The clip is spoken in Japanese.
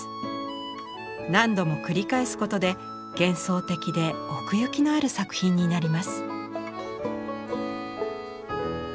何度も繰り返すことで幻想的で奥行きのある作品になります。